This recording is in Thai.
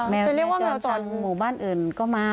แมวจอนทางหมู่บ้านอื่นก็มา